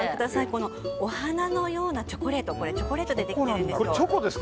このお花のようなチョコレートチョコレートでできてるんです。